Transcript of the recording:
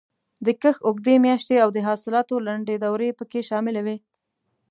د کښت اوږدې میاشتې او د حاصلاتو لنډې دورې پکې شاملې وې.